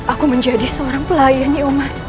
aku menjadi seorang pelayan ya omas